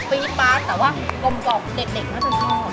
ความเป็นมะละกอที่มันเป็นเส้นปากเนี่ยมันจะทำให้แบบเหมือนมันอมรสชาติน้ำปลาร้าเข้าไป